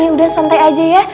udah santai aja ya